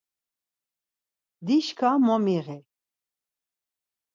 Dişǩa momiği.